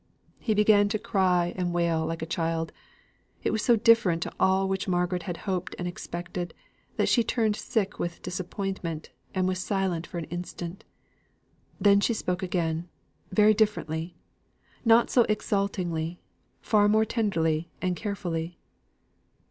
He began to cry and wail like a child. It was so different to all which Margaret had hoped and expected, that she turned sick with disappointment, and was silent for an instant. Then she spoke again very differently not so exultingly, far more tenderly and carefully.